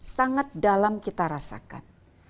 sangat dalam kita rasakan